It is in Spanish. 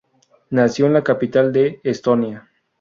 Nació en la capital de Estonia.